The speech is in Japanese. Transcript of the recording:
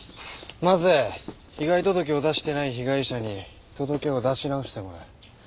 まず被害届を出してない被害者に届けを出し直してもらう。